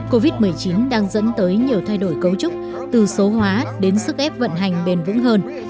covid một mươi chín đang dẫn tới nhiều thay đổi cấu trúc từ số hóa đến sức ép vận hành bền vững hơn